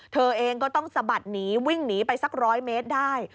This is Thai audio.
เธอเองก็ต้องสะบัดหนีวิ่งหนีไปสัก๑๐๐เมตรได้